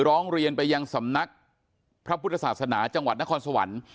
ร้องเรียนไปยังสำนักพระพุทธศาสนาจังหวัดนครสวรรค์